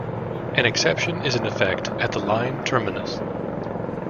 An exception is in effect at the line terminus.